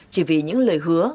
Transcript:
chỉ vì những lời hứa